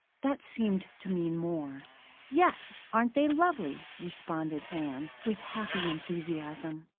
That seemed to mean more. "Yes, aren't they lovely?" responded Ann, with happy enthusiasm.